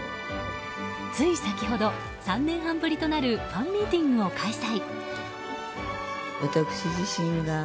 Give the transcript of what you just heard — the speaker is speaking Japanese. つい先ほど、３年半ぶりとなるファンミーティングを開催。